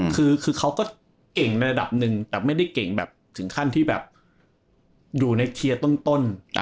คือเขาก็เก่งในระดับหนึ่งแต่ไม่ได้เก่งแบบถึงขั้นที่แบบอยู่ในเทียร์ต้น